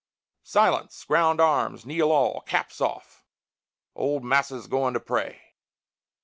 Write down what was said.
Silence! ground arms! kneel all! caps off! Old Massa's goin' to pray.